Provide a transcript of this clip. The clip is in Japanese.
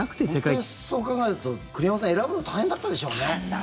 本当に、そう考えると栗山さん選ぶの大変だったでしょうね。